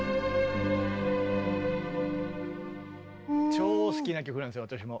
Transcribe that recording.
超好きな曲なんですよ私も。